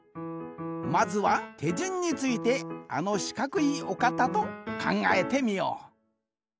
まずはてじゅんについてあのしかくいおかたとかんがえてみよう。